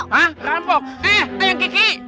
hah rambuk eh ayang kiki